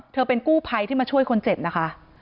เป็นกู้ภัยที่มาช่วยคนเจ็บนะคะ